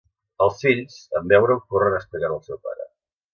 Els fills, en veure-ho corren a explicar-ho al seu pare.